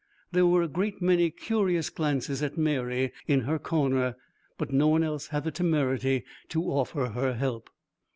There were a great many curious glances at Mary in her corner, but no one else had the temerity to offer her help.